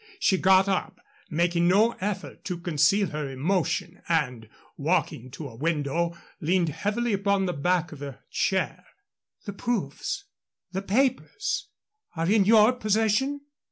She got up, making no effort to conceal her emotion, and, walking to a window, leaned heavily upon the back of a chair. "The proof the papers are in your possession?"